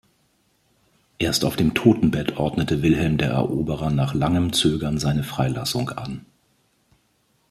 Erst auf dem Totenbett ordnete Wilhelm der Eroberer nach langem Zögern seine Freilassung an.